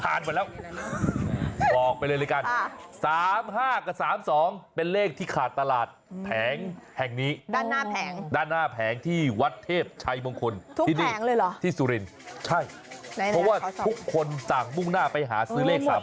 เขาเลือกขึ้นของทุกคนจากลุ่ม่วงหน้าไปหาซื้อเลข๓๕และ๓๒